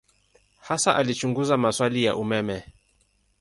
Hasa alichunguza maswali ya umeme.